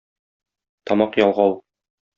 Тамак ялгау.